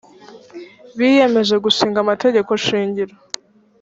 biyemeje gushing amategeko shingiro.